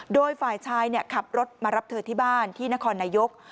โดยฝ่ายชายขับรถมารับเธอที่บ้านที่นครนายก